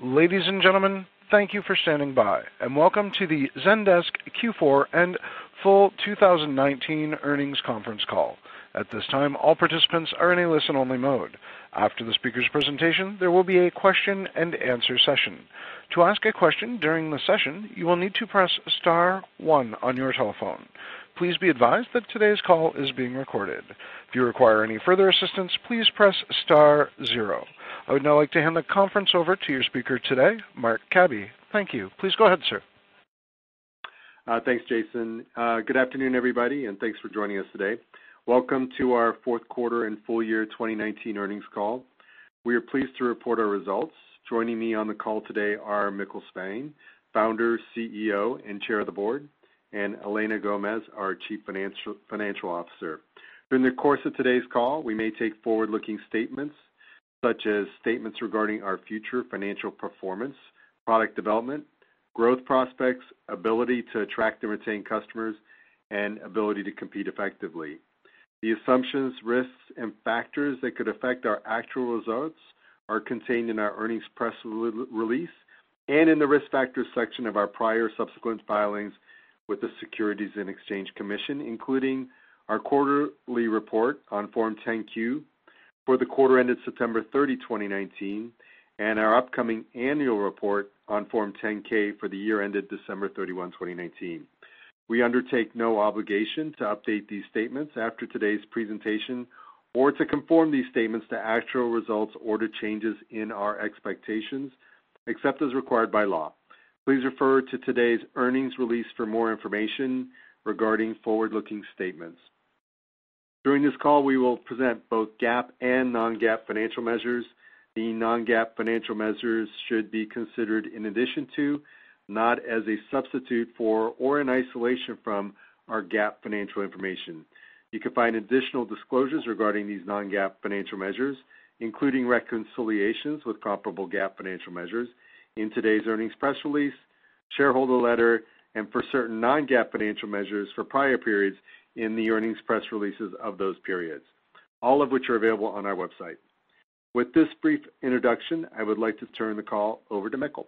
Ladies and gentlemen, thank you for standing by, and welcome to the Zendesk Q4 and full 2019 earnings conference call. At this time, all participants are in a listen-only mode. After the speaker's presentation, there will be a question and answer session. To ask a question during the session, you will need to press star one on your telephone. Please be advised that today's call is being recorded. If you require any further assistance, please press star zero. I would now like to hand the conference over to your speaker today, Marc Cabi. Thank you. Please go ahead, sir. Thanks, Jason. Good afternoon, everybody, and thanks for joining us today. Welcome to our fourth quarter and full year 2019 earnings call. We are pleased to report our results. Joining me on the call today are Mikkel Svane, Founder, CEO, and Chair of the Board, and Elena Gomez, our Chief Financial Officer. During the course of today's call, we may take forward-looking statements such as statements regarding our future financial performance, product development, growth prospects, ability to attract and retain customers, and ability to compete effectively. The assumptions, risks, and factors that could affect our actual results are contained in our earnings press release and in the risk factors section of our prior subsequent filings with the Securities and Exchange Commission, including our quarterly report on Form 10-Q for the quarter ended September 30, 2019, and our upcoming annual report on Form 10-K for the year ended December 31, 2019. We undertake no obligation to update these statements after today's presentation or to conform these statements to actual results or to changes in our expectations, except as required by law. Please refer to today's earnings release for more information regarding forward-looking statements. During this call, we will present both GAAP and non-GAAP financial measures. The non-GAAP financial measures should be considered in addition to, not as a substitute for or in isolation from, our GAAP financial information. You can find additional disclosures regarding these non-GAAP financial measures, including reconciliations with comparable GAAP financial measures, in today's earnings press release, shareholder letter, and for certain non-GAAP financial measures for prior periods, in the earnings press releases of those periods, all of which are available on our website. With this brief introduction, I would like to turn the call over to Mikkel.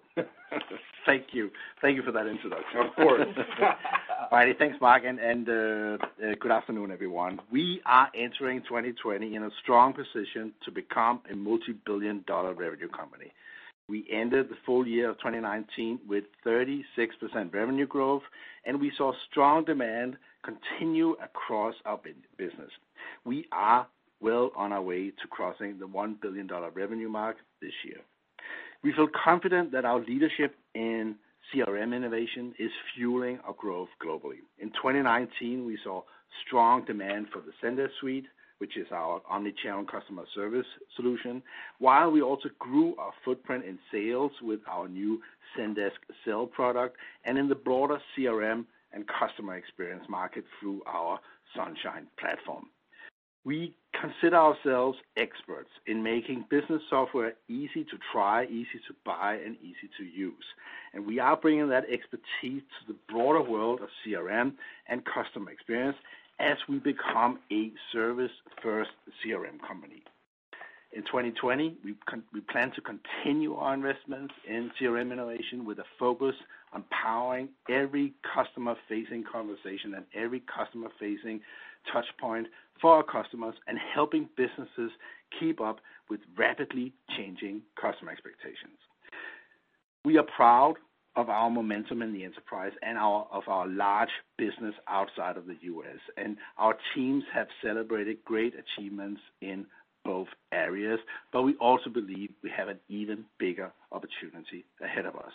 Thank you. Thank you for that introduction. Of course. All righty, thanks, Marc, and good afternoon, everyone. We are entering 2020 in a strong position to become a multibillion-dollar revenue company. We ended the full year of 2019 with 36% revenue growth, and we saw strong demand continue across our business. We are well on our way to crossing the $1 billion revenue mark this year. We feel confident that our leadership in CRM innovation is fueling our growth globally. In 2019, we saw strong demand for the Zendesk Suite, which is our omnichannel customer service solution, while we also grew our footprint in sales with our new Zendesk Sell product, and in the broader CRM and customer experience market through our Sunshine platform. We consider ourselves experts in making business software easy to try, easy to buy, and easy to use. We are bringing that expertise to the broader world of CRM and customer experience as we become a service-first CRM company. In 2020, we plan to continue our investments in CRM innovation with a focus on powering every customer-facing conversation and every customer-facing touchpoint for our customers and helping businesses keep up with rapidly changing customer expectations. We are proud of our momentum in the enterprise and of our large business outside of the U.S., and our teams have celebrated great achievements in both areas, but we also believe we have an even bigger opportunity ahead of us.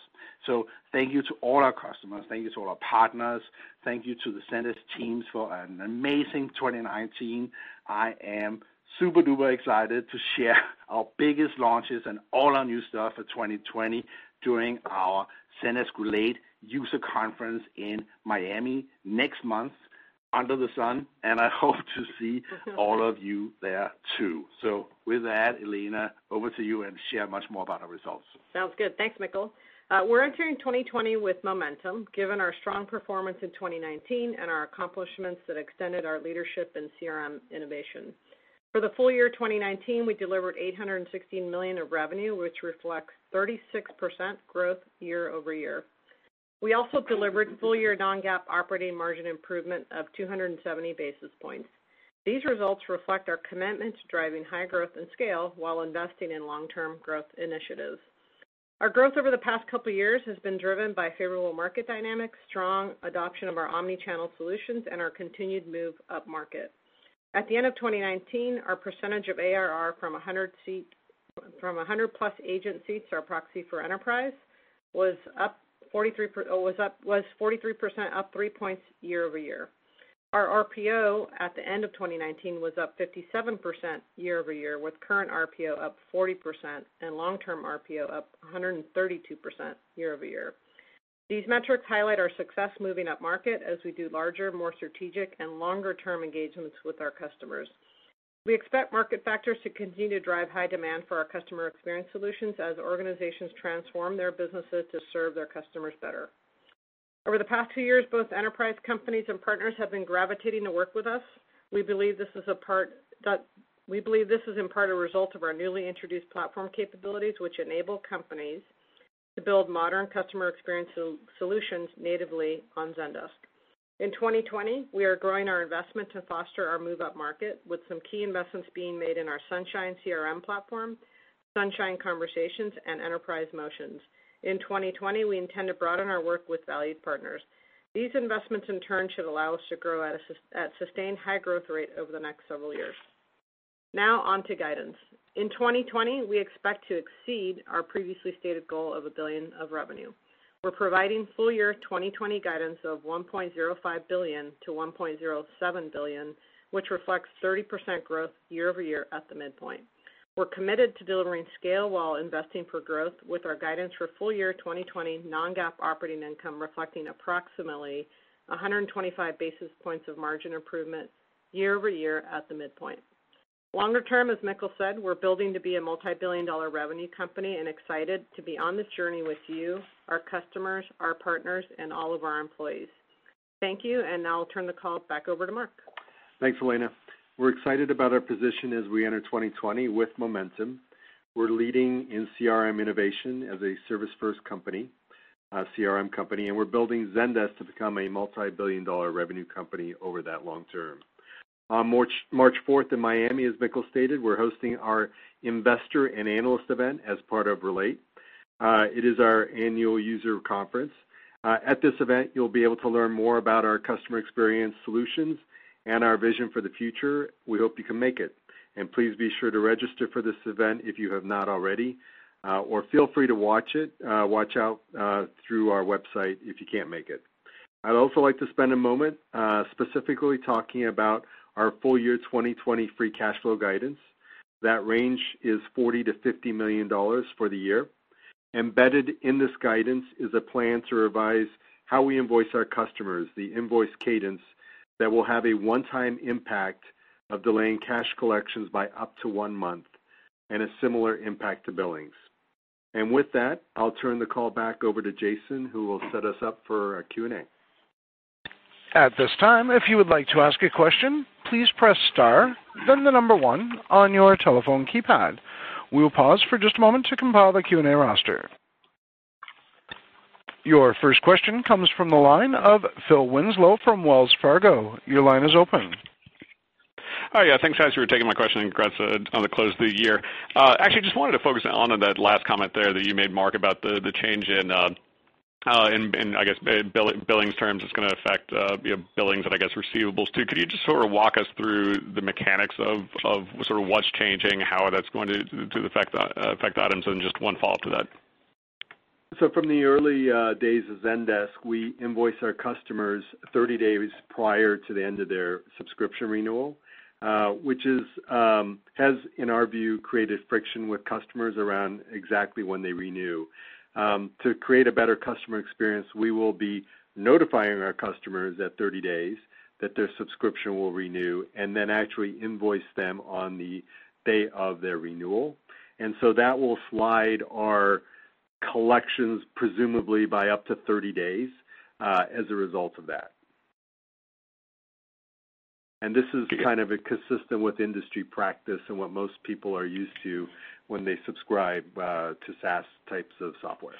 Thank you to all our customers. Thank you to all our partners. Thank you to the Zendesk teams for an amazing 2019. I am super-duper excited to share our biggest launches and all our new stuff for 2020 during our Zendesk Relate user conference in Miami next month under the sun, and I hope to see all of you there too. With that, Elena, over to you, and share much more about our results. Sounds good. Thanks, Mikkel. We're entering 2020 with momentum, given our strong performance in 2019 and our accomplishments that extended our leadership in CRM innovation. For the full year 2019, we delivered $860 million of revenue, which reflects 36% growth year-over-year. We also delivered full-year non-GAAP operating margin improvement of 270 basis points. These results reflect our commitment to driving high growth and scale while investing in long-term growth initiatives. Our growth over the past couple years has been driven by favorable market dynamics, strong adoption of our omnichannel solutions, and our continued move upmarket. At the end of 2019, our percentage of ARR from 100-plus agent seats, our proxy for enterprise, was 43% up three points year-over-year. Our RPO at the end of 2019 was up 57% year-over-year, with current RPO up 40% and long-term RPO up 132% year-over-year. These metrics highlight our success moving upmarket as we do larger, more strategic, and longer-term engagements with our customers. We expect market factors to continue to drive high demand for our customer experience solutions as organizations transform their businesses to serve their customers better. Over the past two years, both enterprise companies and partners have been gravitating to work with us. We believe this is in part a result of our newly introduced platform capabilities, which enable companies to build modern customer experience solutions natively on Zendesk. In 2020, we are growing our investment to foster our move-up market with some key investments being made in our Sunshine CRM platform, Sunshine Conversations, and enterprise motions. In 2020, we intend to broaden our work with valued partners. These investments, in turn, should allow us to grow at sustained high growth rate over the next several years. Now, on to guidance. In 2020, we expect to exceed our previously stated goal of $1 billion of revenue. We're providing full-year 2020 guidance of $1.05 billion to $1.07 billion, which reflects 30% growth year over year at the midpoint. We're committed to delivering scale while investing for growth with our guidance for full-year 2020 non-GAAP operating income reflecting approximately 125 basis points of margin improvement year over year at the midpoint. Longer term, as Mikkel said, we're building to be a multi-billion dollar revenue company, and excited to be on this journey with you, our customers, our partners, and all of our employees. Thank you, and now I'll turn the call back over to Marc. Thanks, Elena. We're excited about our position as we enter 2020 with momentum. We're leading in CRM innovation as a service first CRM company, and we're building Zendesk to become a multi-billion dollar revenue company over that long term. On March 4th in Miami, as Mikkel stated, we're hosting our investor and analyst event as part of Relate. It is our annual user conference. At this event, you'll be able to learn more about our customer experience solutions and our vision for the future. We hope you can make it. Please be sure to register for this event if you have not already, or feel free to watch out through our website if you can't make it. I'd also like to spend a moment specifically talking about our full-year 2020 free cash flow guidance. That range is $40 million-$50 million for the year. Embedded in this guidance is a plan to revise how we invoice our customers, the invoice cadence that will have a one-time impact of delaying cash collections by up to one month, and a similar impact to billings. With that, I'll turn the call back over to Jason, who will set us up for our Q&A. At this time, if you would like to ask a question, please press star, then the number one on your telephone keypad. We will pause for just a moment to compile the Q&A roster. Your first question comes from the line of Philip Winslow from Wells Fargo. Your line is open. Hi. Yeah, thanks, guys, for taking my question, congrats on the close of the year. Actually, just wanted to focus on that last comment there that you made, Marc, about the change in, I guess, billings terms. It's going to affect billings and I guess receivables, too. Could you just sort of walk us through the mechanics of sort of what's changing, how that's going to affect items? Just one follow-up to that. From the early days of Zendesk, we invoice our customers 30 days prior to the end of their subscription renewal, which has, in our view, created friction with customers around exactly when they renew. To create a better customer experience, we will be notifying our customers at 30 days that their subscription will renew, and then actually invoice them on the day of their renewal. That will slide our collections, presumably by up to 30 days, as a result of that. This is kind of consistent with industry practice and what most people are used to when they subscribe to SaaS types of software.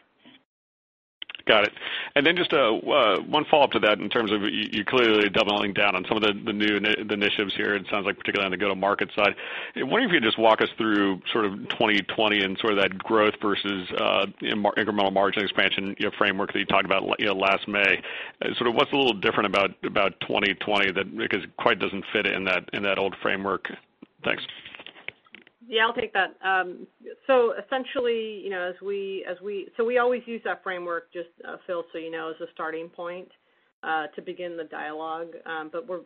Got it. Just one follow-up to that in terms of, you're clearly doubling down on some of the new initiatives here, it sounds like particularly on the go-to-market side. I wonder if you could just walk us through sort of 2020 and sort of that growth versus incremental margin expansion framework that you talked about last May. Sort of what's a little different about 2020 that because it quite doesn't fit in that old framework? Thanks. Yeah, I'll take that. We always use that framework, just, Phil, you know, as a starting point to begin the dialogue.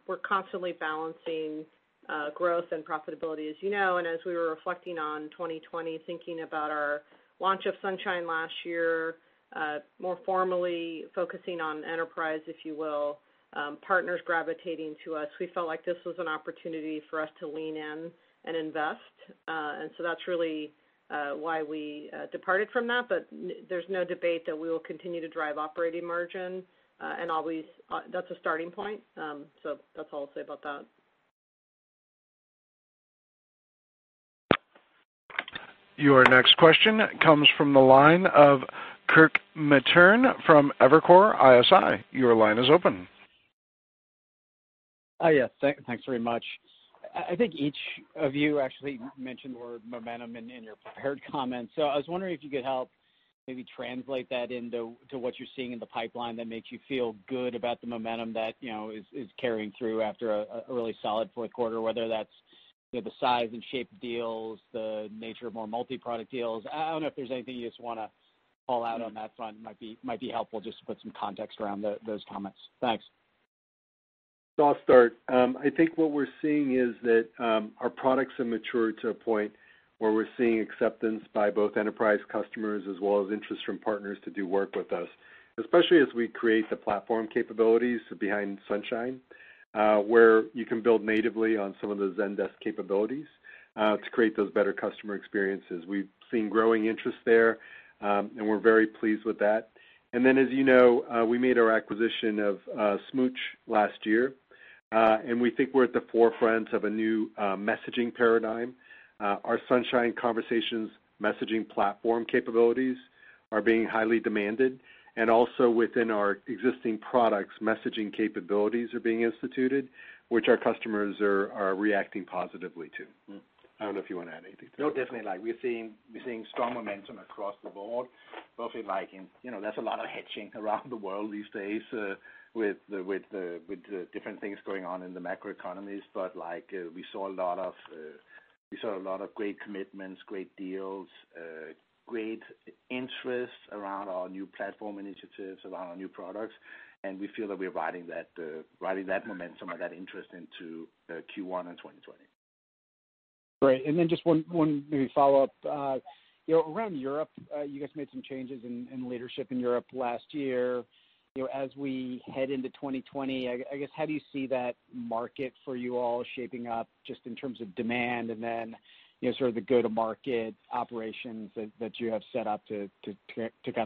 We're constantly balancing growth and profitability, as you know. As we were reflecting on 2020, thinking about our launch of Sunshine last year, more formally focusing on enterprise, if you will, partners gravitating to us, we felt like this was an opportunity for us to lean in and invest. That's really why we departed from that. There's no debate that we will continue to drive operating margin, and that's a starting point. That's all I'll say about that. Your next question comes from the line of Kirk Materne from Evercore ISI. Your line is open. Yes. Thanks very much. I think each of you actually mentioned the word momentum in your prepared comments. I was wondering if you could help maybe translate that into what you're seeing in the pipeline that makes you feel good about the momentum that is carrying through after a really solid fourth quarter, whether that's the size and shape of deals, the nature of more multi-product deals. I don't know if there's anything you just want to call out on that front. It might be helpful just to put some context around those comments. Thanks. I'll start. I think what we're seeing is that our products have matured to a point where we're seeing acceptance by both enterprise customers as well as interest from partners to do work with us, especially as we create the platform capabilities behind Sunshine, where you can build natively on some of the Zendesk capabilities to create those better customer experiences. We've seen growing interest there, and we're very pleased with that. Then, as you know, we made our acquisition of Smooch last year. We think we're at the forefront of a new messaging paradigm. Our Sunshine Conversations messaging platform capabilities are being highly demanded, and also within our existing products, messaging capabilities are being instituted, which our customers are reacting positively to. I don't know if you want to add anything to that. No, definitely. We're seeing strong momentum across the board. There's a lot of hedging around the world these days with the different things going on in the macro economies. We saw a lot of great commitments, great deals, great interest around our new platform initiatives, around our new products, and we feel that we are riding that momentum or that interest into Q1 in 2020. Great. Just one maybe follow-up. Around Europe, you guys made some changes in leadership in Europe last year. As we head into 2020, I guess how do you see that market for you all shaping up just in terms of demand and then sort of the go-to-market operations that you have set up to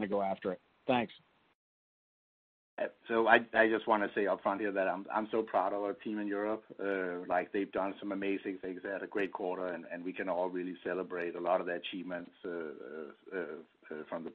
go after it? Thanks. I just want to say up front here that I'm so proud of our team in Europe. They've done some amazing things. They had a great quarter, and we can all really celebrate a lot of their achievements from the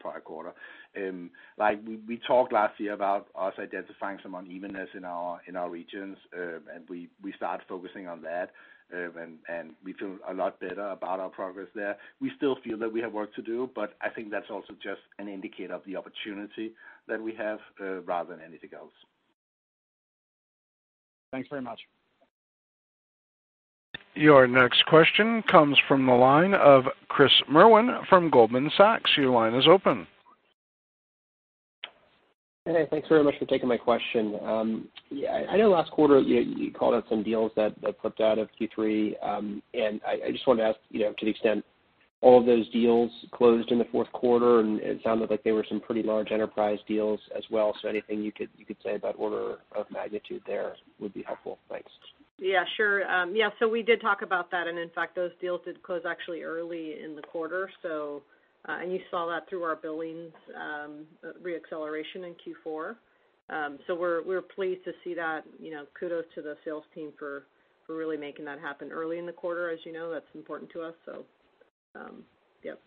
prior quarter. We talked last year about us identifying some unevenness in our regions, and we started focusing on that, and we feel a lot better about our progress there. We still feel that we have work to do, but I think that's also just an indicator of the opportunity that we have, rather than anything else. Thanks very much. Your next question comes from the line of Chris Merwin from Goldman Sachs. Your line is open. Hey, thanks very much for taking my question. I know last quarter you called out some deals that flipped out of Q3, and I just wanted to ask to the extent all of those deals closed in the fourth quarter, and it sounded like they were some pretty large enterprise deals as well. Anything you could say about order of magnitude there would be helpful. Thanks. Yeah, sure. We did talk about that, and in fact, those deals did close actually early in the quarter. You saw that through our billings re-acceleration in Q4. We're pleased to see that. Kudos to the sales team for really making that happen early in the quarter. As you know, that's important to us.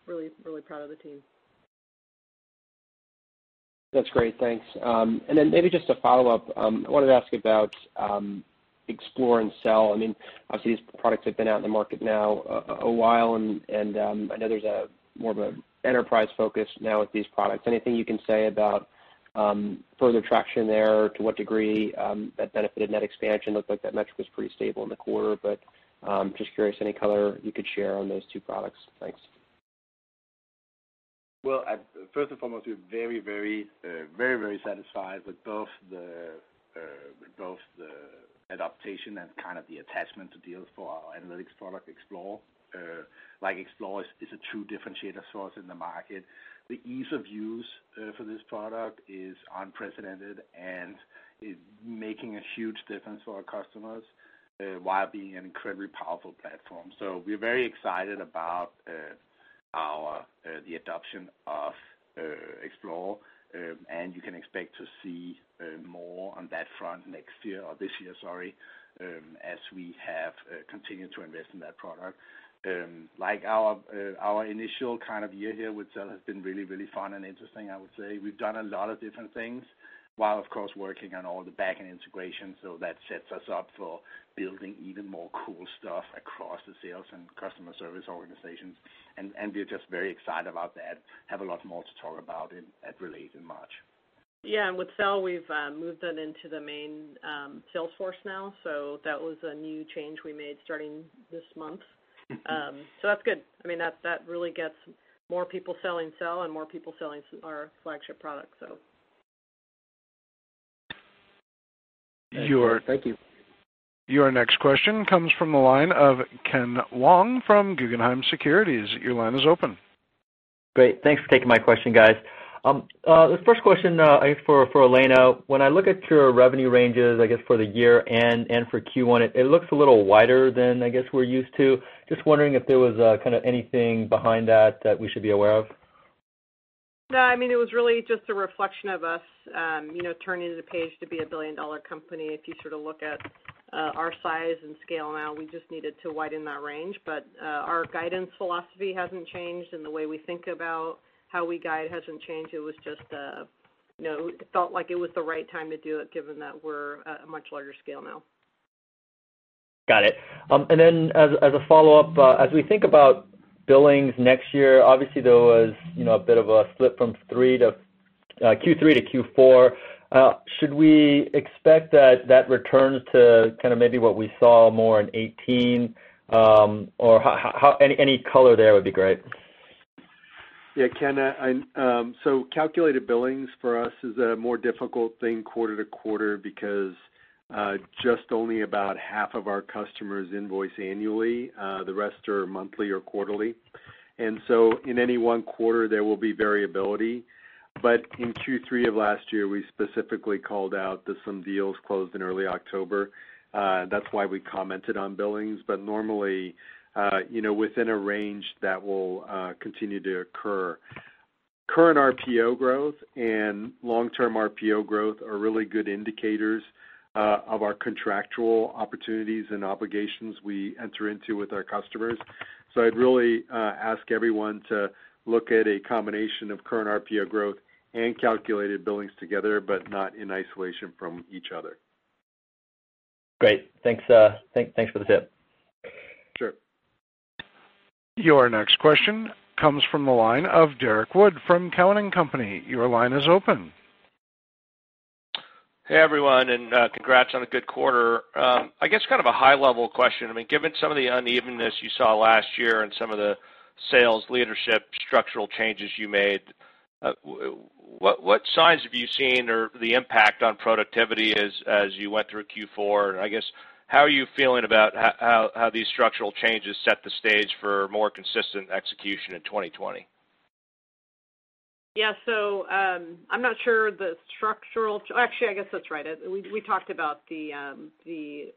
Really proud of the team. That's great. Thanks. Maybe just a follow-up. I wanted to ask about Explore and Sell. Obviously, these products have been out in the market now a while, and I know there's more of an enterprise focus now with these products. Anything you can say about further traction there, to what degree that benefited net expansion? Looked like that metric was pretty stable in the quarter, but just curious any color you could share on those two products. Thanks. Well, first and foremost, we're very satisfied with both the adaptation and kind of the attachment to deals for our analytics product, Explore. Explore is a true differentiator for us in the market. The ease of use for this product is unprecedented. It's making a huge difference for our customers while being an incredibly powerful platform. We're very excited about the adoption of Explore. You can expect to see more on that front next year, or this year, sorry, as we have continued to invest in that product. Our initial year here with Sell has been really fun and interesting, I would say. We've done a lot of different things while, of course, working on all the back-end integration. That sets us up for building even more cool stuff across the sales and customer service organizations, and we're just very excited about that. Have a lot more to talk about at Relate in March. Yeah, with Sell, we've moved that into the main sales force now. That was a new change we made starting this month. That really gets more people selling Sell and more people selling our flagship product. Thank you. Your next question comes from the line of Kenneth Wong from Guggenheim Securities. Your line is open. Great. Thanks for taking my question, guys. This first question, I think for Elena. When I look at your revenue ranges, I guess, for the year and for Q1, it looks a little wider than I guess we're used to. Just wondering if there was kind of anything behind that that we should be aware of. No, it was really just a reflection of us turning the page to be a billion-dollar company. If you sort of look at our size and scale now, we just needed to widen that range. Our guidance philosophy hasn't changed, and the way we think about how we guide hasn't changed. It felt like it was the right time to do it, given that we're at a much larger scale now. Got it. Then as a follow-up, as we think about billings next year, obviously there was a bit of a slip from Q3 to Q4. Should we expect that that returns to kind of maybe what we saw more in 2018? Any color there would be great. Yeah, Ken. Calculated billings for us is a more difficult thing quarter to quarter because just only about half of our customers invoice annually. The rest are monthly or quarterly. In any one quarter, there will be variability. In Q3 of last year, we specifically called out that some deals closed in early October. That's why we commented on billings. Normally, within a range, that will continue to occur. Current RPO growth and long-term RPO growth are really good indicators of our contractual opportunities and obligations we enter into with our customers. I'd really ask everyone to look at a combination of current RPO growth and calculated billings together, but not in isolation from each other. Great. Thanks. Thanks for the tip. Sure. Your next question comes from the line of Derrick Wood from Cowen and Company. Your line is open. Hey, everyone, congrats on a good quarter. I guess kind of a high-level question. Given some of the unevenness you saw last year and some of the sales leadership structural changes you made, what signs have you seen, or the impact on productivity as you went through Q4? I guess, how are you feeling about how these structural changes set the stage for more consistent execution in 2020? Yeah. I'm not sure the structural Actually, I guess that's right. We talked about the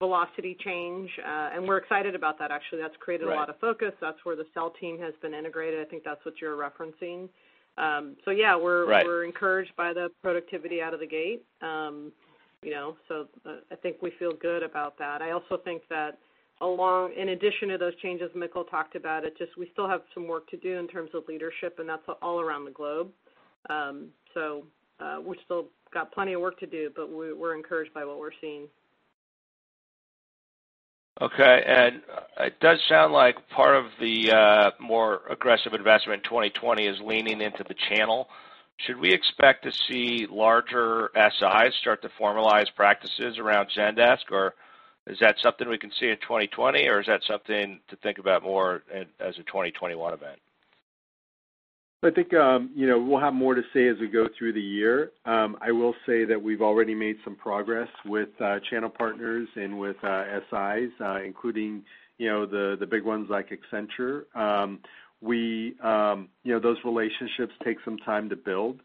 Velocity change, and we're excited about that, actually. Right A lot of focus. That's where the Sell team has been integrated. I think that's what you're referencing. Right We're encouraged by the productivity out of the gate. I think we feel good about that. I also think that in addition to those changes Mikkel talked about, we still have some work to do in terms of leadership, and that's all around the globe. We've still got plenty of work to do, but we're encouraged by what we're seeing. Okay. It does sound like part of the more aggressive investment in 2020 is leaning into the channel. Should we expect to see larger SIs start to formalize practices around Zendesk, or is that something we can see in 2020, or is that something to think about more as a 2021 event? I think we'll have more to say as we go through the year. I will say that we've already made some progress with channel partners and with SIs, including the big ones like Accenture. Those relationships take some time to build.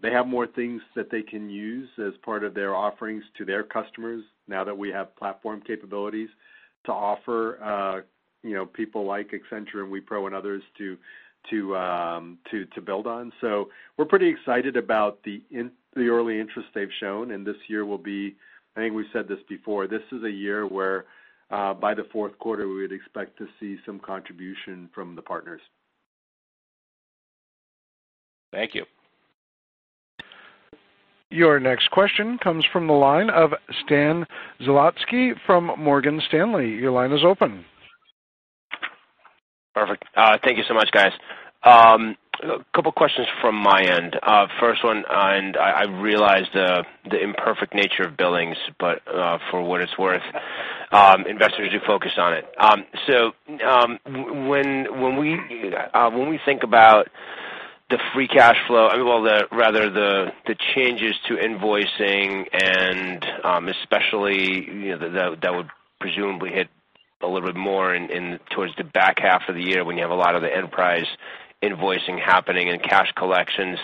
They have more things that they can use as part of their offerings to their customers now that we have platform capabilities to offer people like Accenture and Wipro and others to build on. We're pretty excited about the early interest they've shown, and this year will be, I think we've said this before, this is a year where, by the fourth quarter, we would expect to see some contribution from the partners. Thank you. Your next question comes from the line of Stan Zlotsky from Morgan Stanley. Your line is open. Perfect. Thank you so much, guys. A couple questions from my end. First one, and I realize the imperfect nature of billings, but for what it's worth, investors do focus on it. When we think about the free cash flow, well, rather the changes to invoicing and especially that would presumably hit a little bit more towards the back half of the year when you have a lot of the enterprise invoicing happening and cash collections,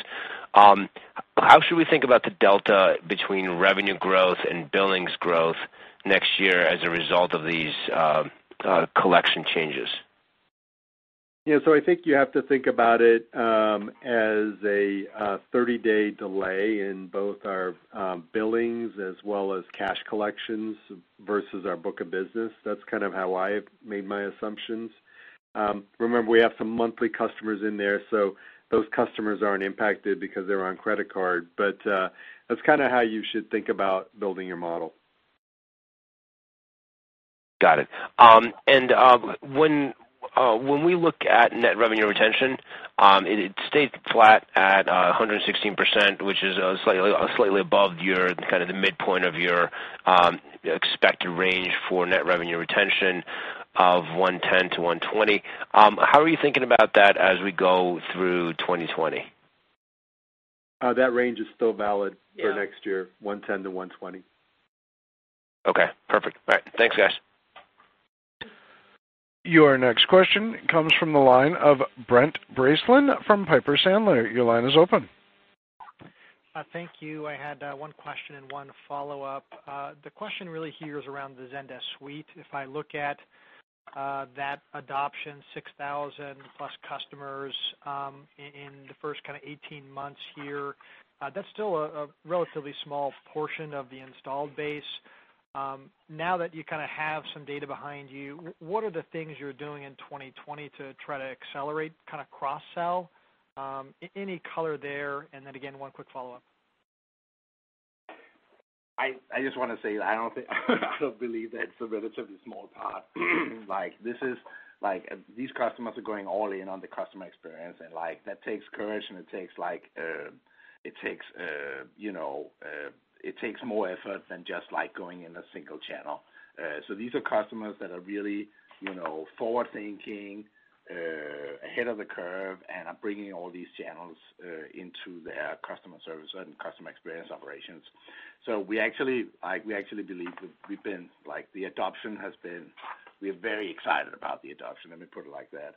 how should we think about the delta between revenue growth and billings growth next year as a result of these collection changes? I think you have to think about it as a 30-day delay in both our billings as well as cash collections versus our book of business. That's kind of how I've made my assumptions. Remember, we have some monthly customers in there, so those customers aren't impacted because they're on credit card. That's kind of how you should think about building your model. Got it. When we look at net revenue retention, it stayed flat at 116%, which is slightly above the midpoint of your expected range for net revenue retention of 110%-120%. How are you thinking about that as we go through 2020? That range is still valid. Yeah For next year, 110 to 120. Okay, perfect. All right. Thanks, guys. Your next question comes from the line of Brent Bracelin from Piper Sandler. Your line is open. Thank you. I had one question and one follow-up. The question really here is around the Zendesk Suite. If I look at that adoption, 6,000-plus customers in the first 18 months here, that's still a relatively small portion of the installed base. Now that you have some data behind you, what are the things you're doing in 2020 to try to accelerate cross-sell? Any color there, and then again, one quick follow-up. I just want to say, I don't believe that's a relatively small part. These customers are going all in on the customer experience, and that takes courage, and it takes more effort than just going in a single channel. These are customers that are really forward-thinking, ahead of the curve, and are bringing all these channels into their customer service and customer experience operations. We actually believe we're very excited about the adoption. Let me put it like that.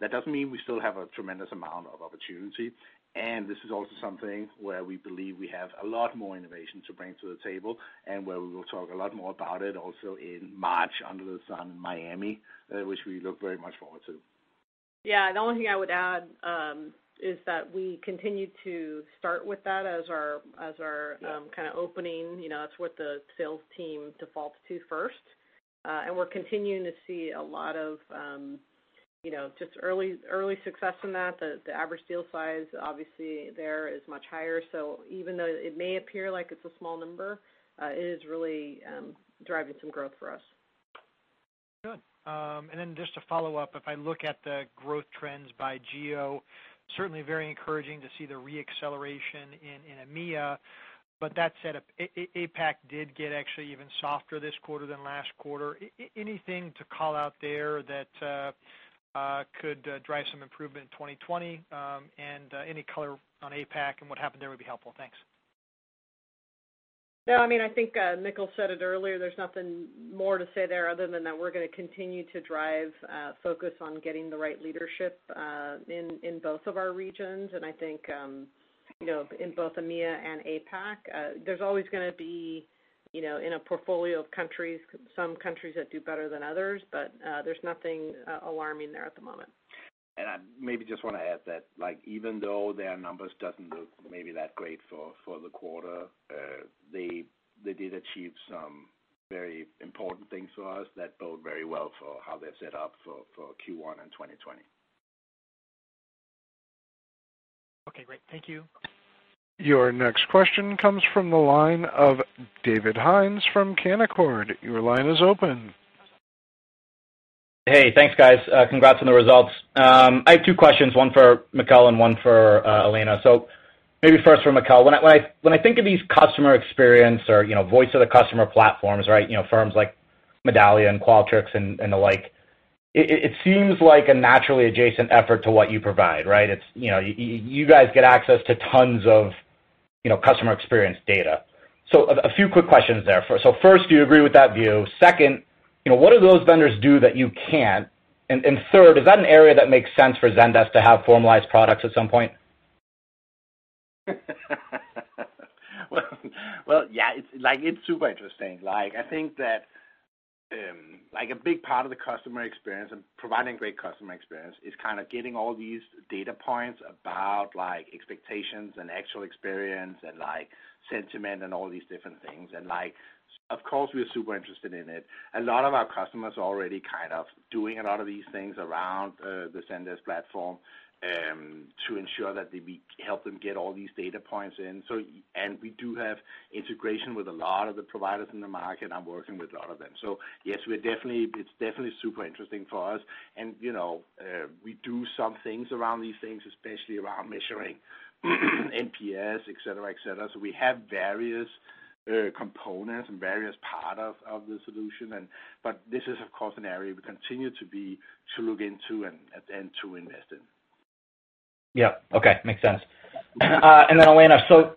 That doesn't mean we still have a tremendous amount of opportunity, and this is also something where we believe we have a lot more innovation to bring to the table, and where we will talk a lot more about it also in March under the sun in Miami, which we look very much forward to. The only thing I would add is that we continue to start with that as our opening. It's what the sales team defaults to first, and we're continuing to see a lot of just early success from that. The average deal size, obviously, there is much higher. Even though it may appear like it's a small number, it is really driving some growth for us. Good. Then just to follow up, if I look at the growth trends by geo, certainly very encouraging to see the re-acceleration in EMEA. That said, APAC did get actually even softer this quarter than last quarter. Anything to call out there that could drive some improvement in 2020? Any color on APAC and what happened there would be helpful. Thanks. No, I think Mikkel said it earlier, there's nothing more to say there other than that we're going to continue to drive focus on getting the right leadership in both of our regions. I think, in both EMEA and APAC, there's always going to be, in a portfolio of countries, some countries that do better than others, but there's nothing alarming there at the moment. I maybe just want to add that even though their numbers doesn't look maybe that great for the quarter, they did achieve some very important things for us that bode very well for how they're set up for Q1 in 2020. Okay, great. Thank you. Your next question comes from the line of David Hynes from Canaccord. Your line is open. Hey, thanks, guys. Congrats on the results. I have two questions, one for Mikkel and one for Elena. Maybe first for Mikkel. When I think of these customer experience or voice of the customer platforms, firms like Medallia and Qualtrics and the like, it seems like a naturally adjacent effort to what you provide, right? You guys get access to tons of customer experience data. A few quick questions there. First, do you agree with that view? Second, what do those vendors do that you can't? And third, is that an area that makes sense for Zendesk to have formalized products at some point? Well, yeah, it's super interesting. I think that a big part of the customer experience and providing great customer experience is kind of getting all these data points about expectations and actual experience and sentiment and all these different things. Of course, we are super interested in it. A lot of our customers are already kind of doing a lot of these things around the Zendesk platform to ensure that we help them get all these data points in. We do have integration with a lot of the providers in the market. I'm working with a lot of them. Yes, it's definitely super interesting for us. We do some things around these things, especially around measuring NPS, et cetera. We have various components and various part of the solution, but this is, of course, an area we continue to look into and to invest in. Yeah. Okay. Makes sense. Elena, so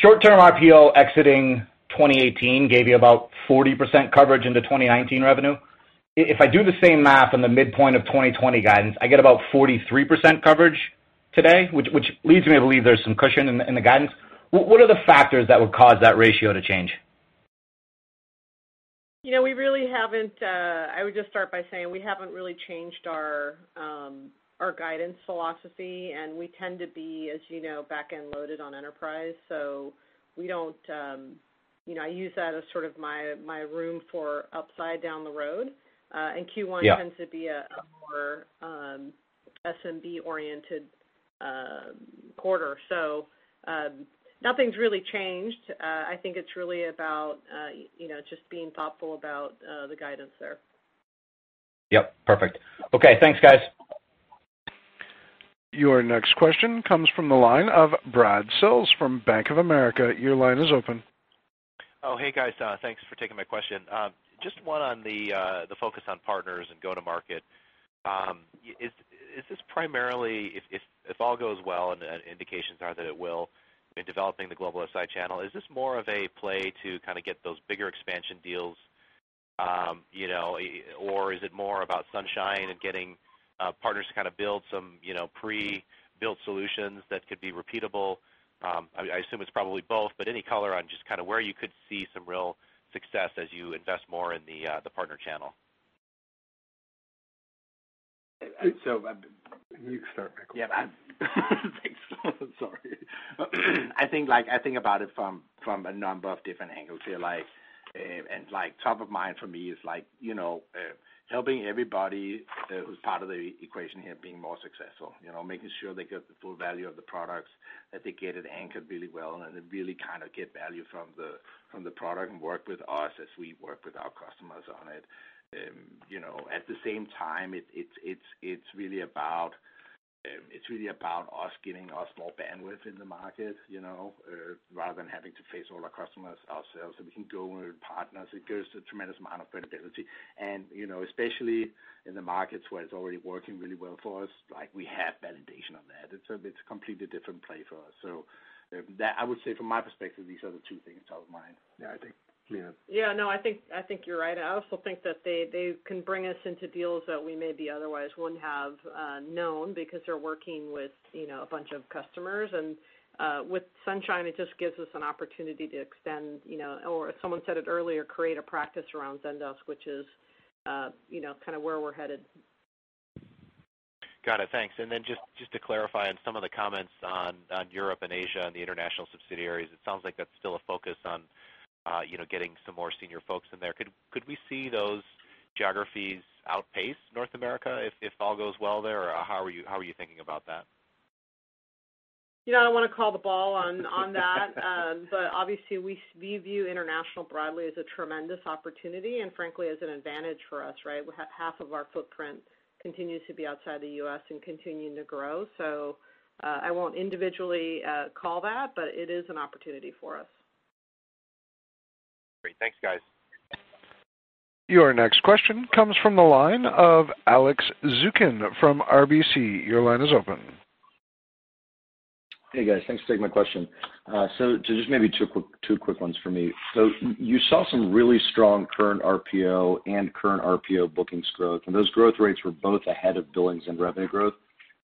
short-term RPO exiting 2018 gave you about 40% coverage into 2019 revenue. If I do the same math on the midpoint of 2020 guidance, I get about 43% coverage today, which leads me to believe there's some cushion in the guidance. What are the factors that would cause that ratio to change? I would just start by saying we haven't really changed our guidance philosophy, and we tend to be, as you know, back-end loaded on enterprise. I use that as sort of my room for upside down the road. Q1 tends to be a more SMB-oriented quarter. Nothing's really changed. I think it's really about just being thoughtful about the guidance there. Yep. Perfect. Okay, thanks, guys. Your next question comes from the line of Brad Sills from Bank of America. Your line is open. Oh, hey, guys. Thanks for taking my question. Just one on the focus on partners and go to market. Is this primarily, if all goes well, and indications are that it will, in developing the global SI channel, is this more of a play to kind of get those bigger expansion deals, or is it more about Sunshine and getting partners to kind of build some pre-built solutions that could be repeatable? I assume it's probably both, but any color on just kind of where you could see some real success as you invest more in the partner channel. So- You start, Mikkel. Yeah. Thanks. I'm sorry. I think about it from a number of different angles here. Top of mind for me is helping everybody who's part of the equation here being more successful. Making sure they get the full value of the products, that they get it anchored really well, and they really kind of get value from the product and work with us as we work with our customers on it. At the same time, it's really about us getting a small bandwidth in the market, rather than having to face all our customers ourselves, so we can go with partners. It gives a tremendous amount of credibility, and especially in the markets where it's already working really well for us, we have validation on that. It's a completely different play for us. I would say from my perspective, these are the two things top of mind. Yeah, I think Elena. Yeah, no, I think you're right. I also think that they can bring us into deals that we maybe otherwise wouldn't have known because they're working with a bunch of customers. With Sunshine, it just gives us an opportunity to extend, or someone said it earlier, create a practice around Zendesk, which is kind of where we're headed. Got it. Thanks. Then just to clarify on some of the comments on Europe and Asia and the international subsidiaries, it sounds like that's still a focus on getting some more senior folks in there. Could we see those geographies outpace North America if all goes well there? Or how are you thinking about that? I don't want to call the ball on that. Obviously, we view international broadly as a tremendous opportunity and frankly, as an advantage for us, right? Half of our footprint continues to be outside the U.S. and continuing to grow. I won't individually call that, but it is an opportunity for us. Great. Thanks, guys. Your next question comes from the line of Alex Zukin from RBC. Your line is open. Hey, guys. Thanks for taking my question. Just maybe two quick ones for me. You saw some really strong current RPO and current RPO bookings growth, and those growth rates were both ahead of billings and revenue growth.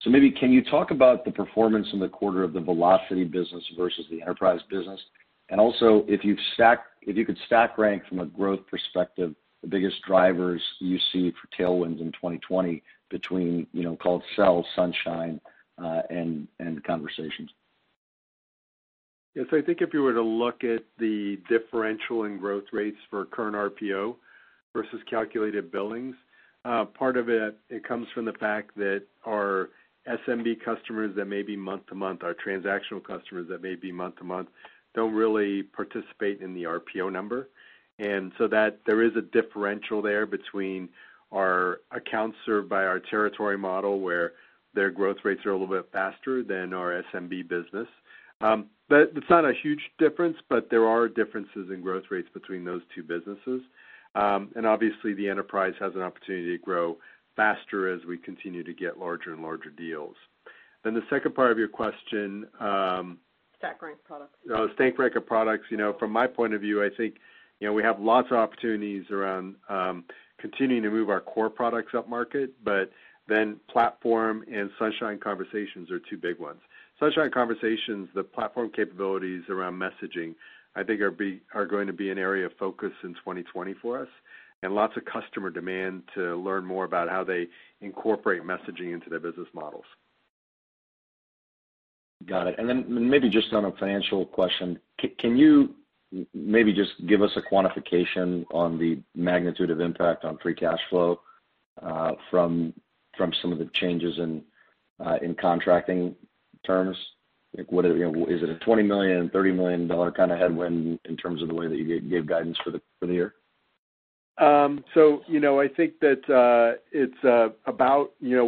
Maybe can you talk about the performance in the quarter of the Velocity business versus the Enterprise business? Also, if you could stack rank from a growth perspective, the biggest drivers you see for tailwinds in 2020 between, called Sell, Sunshine, and Conversations. Yes. I think if you were to look at the differential in growth rates for current RPO versus calculated billings, part of it comes from the fact that our SMB customers that may be month to month, our transactional customers that may be month to month, don't really participate in the RPO number. There is a differential there between our accounts served by our territory model, where their growth rates are a little bit faster than our SMB business. It's not a huge difference, but there are differences in growth rates between those two businesses. Obviously, the Enterprise has an opportunity to grow faster as we continue to get larger and larger deals. The second part of your question. Stack rank products. Oh, stack rank of products. From my point of view, I think, we have lots of opportunities around continuing to move our core products upmarket, but then platform and Sunshine Conversations are two big ones. Sunshine Conversations, the platform capabilities around messaging, I think, are going to be an area of focus in 2020 for us, and lots of customer demand to learn more about how they incorporate messaging into their business models. Got it. Maybe just on a financial question, can you maybe just give us a quantification on the magnitude of impact on free cash flow, from some of the changes in contracting terms? Is it a $20 million, $30 million kind of headwind in terms of the way that you gave guidance for the year? I think that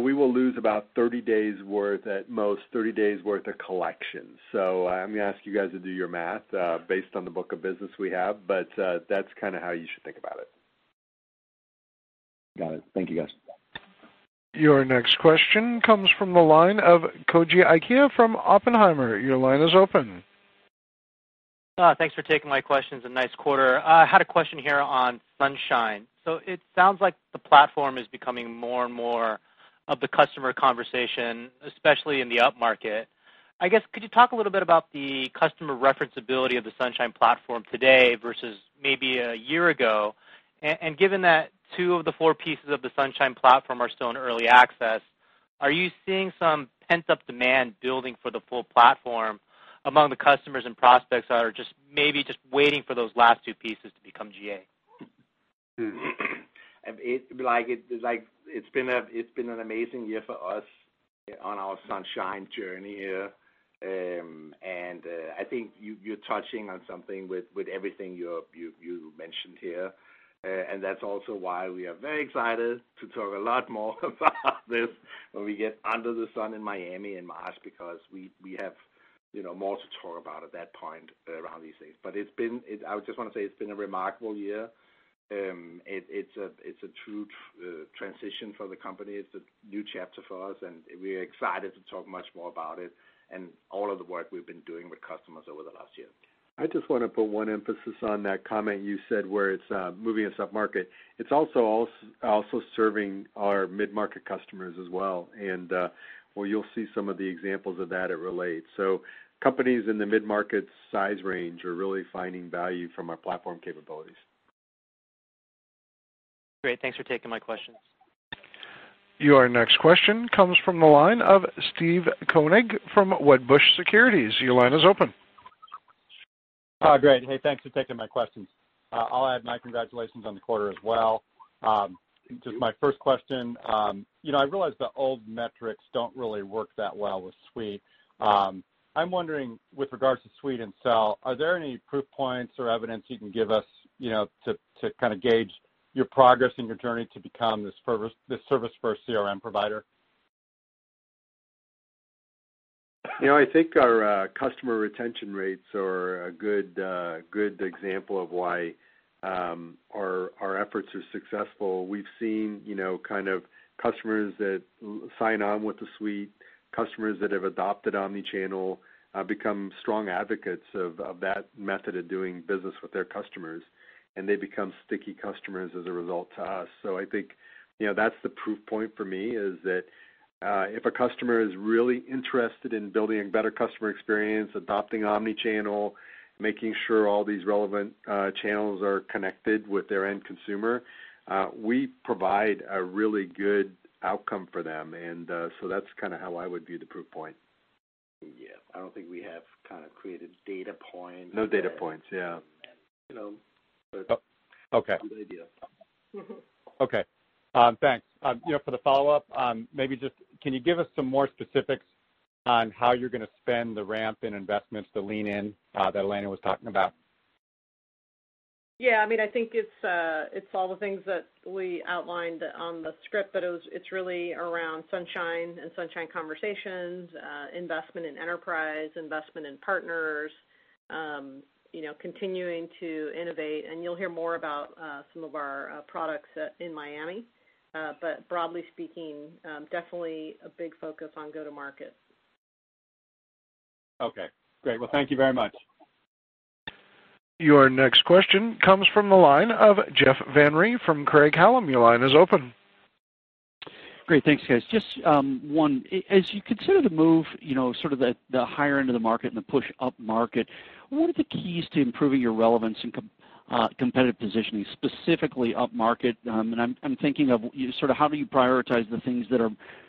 we will lose about 30 days worth, at most, 30 days worth of collection. I'm going to ask you guys to do your math based on the book of business we have, but that's how you should think about it. Got it. Thank you, guys. Your next question comes from the line of Koji Ikeda from Oppenheimer. Your line is open. Thanks for taking my questions, and nice quarter. I had a question here on Sunshine. It sounds like the platform is becoming more and more of the customer conversation, especially in the upmarket. I guess, could you talk a little bit about the customer reference ability of the Sunshine platform today versus maybe a year ago? Given that two of the four pieces of the Sunshine platform are still in early access, are you seeing some pent-up demand building for the full platform among the customers and prospects that are just maybe just waiting for those last two pieces to become GA? It's been an amazing year for us on our Sunshine journey here. I think you're touching on something with everything you mentioned here. That's also why we are very excited to talk a lot more about this when we get under the sun in Miami in March, because we have more to talk about at that point around these things. I just want to say it's been a remarkable year. It's a true transition for the company. It's a new chapter for us, and we're excited to talk much more about it and all of the work we've been doing with customers over the last year. I just want to put one emphasis on that comment you said where it's moving us upmarket. It's also serving our mid-market customers as well, and well, you'll see some of the examples of that at Relate. Companies in the mid-market size range are really finding value from our platform capabilities. Great. Thanks for taking my questions. Your next question comes from the line of Steve Koenig from Wedbush Securities. Your line is open. Great. Hey, thanks for taking my questions. I'll add my congratulations on the quarter as well. Thank you. Just my first question, I realize the old metrics don't really work that well with Suite. I'm wondering with regards to Suite and Sell, are there any proof points or evidence you can give us to gauge your progress and your journey to become this service-first CRM provider? I think our customer retention rates are a good example of why our efforts are successful. We've seen customers that sign on with the Suite, customers that have adopted omnichannel, become strong advocates of that method of doing business with their customers, and they become sticky customers as a result to us. I think, that's the proof point for me, is that, if a customer is really interested in building a better customer experience, adopting omnichannel, making sure all these relevant channels are connected with their end consumer, we provide a really good outcome for them. That's how I would view the proof point. Yeah, I don't think we have kind of created data points. No data points, yeah. But- Okay good idea. Okay. Thanks. For the follow-up, can you give us some more specifics on how you're going to spend the ramp in investments to lean in, that Elena was talking about? Yeah, I think it's all the things that we outlined on the script, but it's really around Sunshine and Sunshine Conversations, investment in enterprise, investment in partners, continuing to innovate. You'll hear more about some of our products in Miami. Broadly speaking, definitely a big focus on go-to-market. Okay, great. Well, thank you very much. Your next question comes from the line of Jeff Van Rhee from Craig-Hallum. Your line is open. Great. Thanks, guys. Just one, as you consider the move, sort of the higher end of the market and the push upmarket, what are the keys to improving your relevance and competitive positioning, specifically upmarket? I'm thinking of how do you prioritize the things that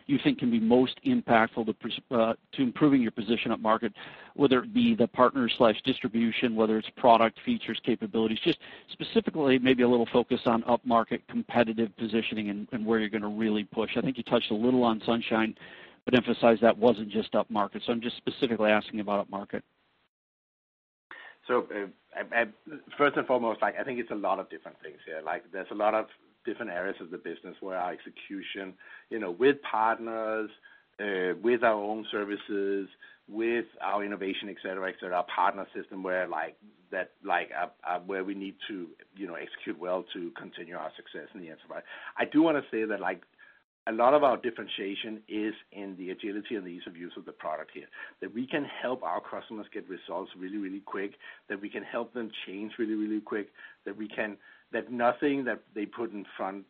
you think can be most impactful to improving your position upmarket, whether it be the partner/distribution, whether it's product features, capabilities, just specifically maybe a little focus on upmarket competitive positioning and where you're going to really push. I think you touched a little on Sunshine, but emphasized that wasn't just upmarket. I'm just specifically asking about upmarket. First and foremost, I think it's a lot of different things here. There's a lot of different areas of the business where our execution, with partners, with our own services, with our innovation, et cetera. Our partner system where we need to execute well to continue our success in the enterprise. I do want to say that a lot of our differentiation is in the agility and the ease of use of the product here. That we can help our customers get results really quick, that we can help them change really quick, that nothing that they put in front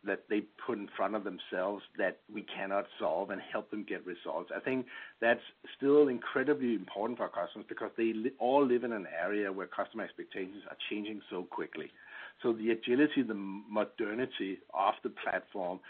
of themselves that we cannot solve and help them get results. I think that's still incredibly important for our customers because they all live in an area where customer expectations are changing so quickly. The agility, the modernity of the platform,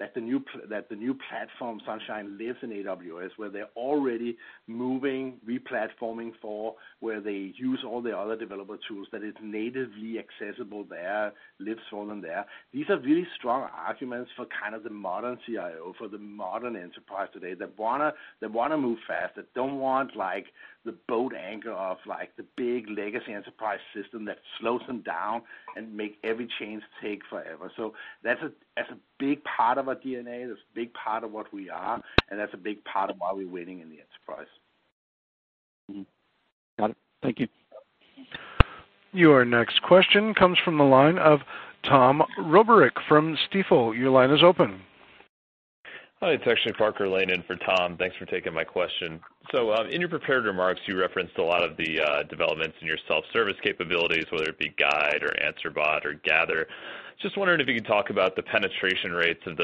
that the new platform, Sunshine, lives in AWS, where they're already moving, re-platforming for where they use all the other developer tools that is natively accessible there, lives all in there. These are really strong arguments for kind of the modern CIO, for the modern enterprise today, that want to move fast, that don't want the boat anchor of the big legacy enterprise system that slows them down and make every change take forever. That's a big part of our DNA, that's a big part of what we are, and that's a big part of why we're winning in the enterprise. Got it. Thank you. Your next question comes from the line of Tom Roderick from Stifel. Your line is open. Hi, it's actually Parker Lane in for Tom. Thanks for taking my question. In your prepared remarks, you referenced a lot of the developments in your self-service capabilities, whether it be Guide or Answer Bot or Gather. Just wondering if you could talk about the penetration rates of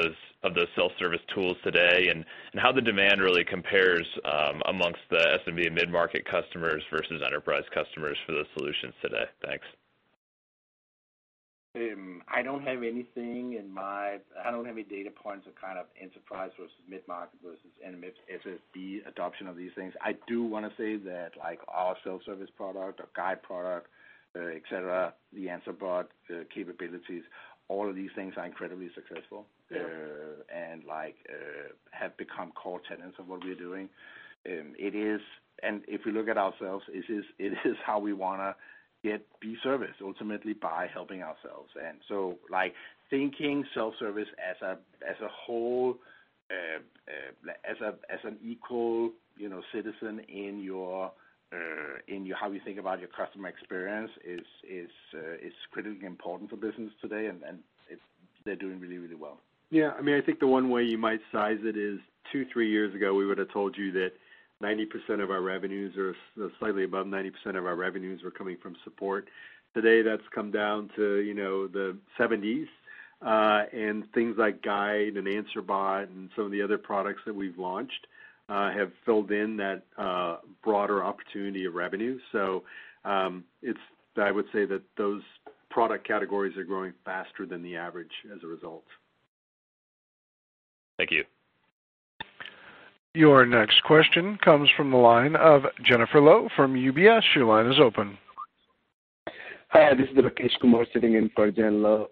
those self-service tools today, and how the demand really compares amongst the SMB mid-market customers versus enterprise customers for those solutions today. Thanks. I don't have any data points of kind of enterprise versus mid-market versus SMB adoption of these things. I do want to say that our self-service product, our Zendesk Guide product, et cetera, the Answer Bot capabilities, all of these things are incredibly successful, and have become core tenets of what we are doing. If we look at ourselves, it is how we want to be serviced, ultimately, by helping ourselves. Thinking self-service as a whole, as an equal citizen in how you think about your customer experience is critically important for business today, and they're doing really well. Yeah, I think the one way you might size it is two, three years ago, we would've told you that 90% of our revenues or slightly above 90% of our revenues were coming from support. Today, that's come down to the 70s. Things like Guide and Answer Bot and some of the other products that we've launched, have filled in that broader opportunity of revenue. I would say that those product categories are growing faster than the average as a result. Thank you. Your next question comes from the line of Jennifer Lowe from UBS. Your line is open. Hi, this is Rakesh Kumar sitting in for Jen Lowe.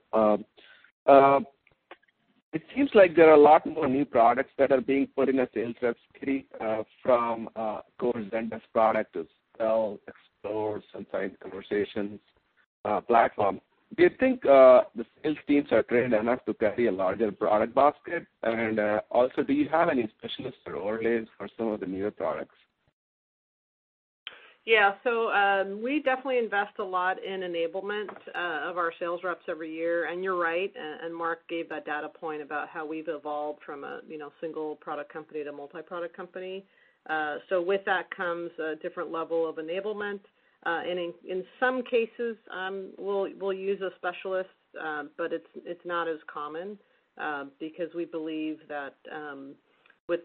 It seems like there are a lot more new products that are being put in the sales rep suite from core Zendesk product to Zendesk Sell, Zendesk Explore, Sunshine Conversations platform. Do you think the sales teams are trained enough to carry a larger product basket? Also, do you have any specialist roles for some of the newer products? Yeah. We definitely invest a lot in enablement of our sales reps every year. You're right, and Marc gave that data point about how we've evolved from a single product company to multi-product company. With that comes a different level of enablement. In some cases, we'll use a specialist, but it's not as common, because we believe that with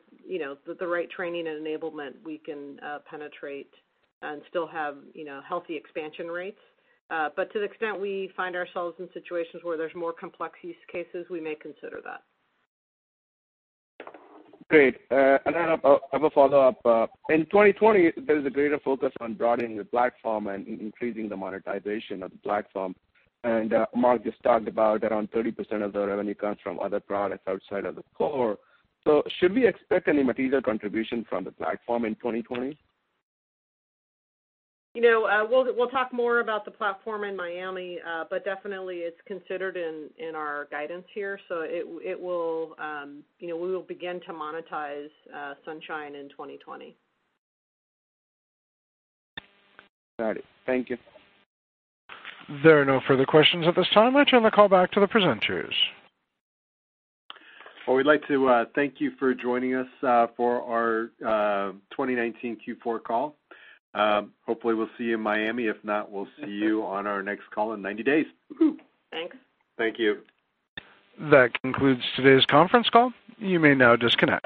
the right training and enablement, we can penetrate and still have healthy expansion rates. To the extent we find ourselves in situations where there's more complex use cases, we may consider that. Great. I have a follow-up. In 2020, there's a greater focus on broadening the platform and increasing the monetization of the platform. Marc just talked about around 30% of the revenue comes from other products outside of the core. Should we expect any material contribution from the platform in 2020? We'll talk more about the platform in Miami, but definitely it's considered in our guidance here. We will begin to monetize Sunshine in 2020. Got it. Thank you. There are no further questions at this time. I turn the call back to the presenters. Well, we'd like to thank you for joining us for our 2019 Q4 call. Hopefully, we'll see you in Miami. If not, we'll see you on our next call in 90 days. Woo-hoo. Thanks. Thank you. That concludes today's conference call. You may now disconnect.